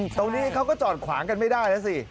เขาก็จอดขวางกันไม่ได้แล้วสิ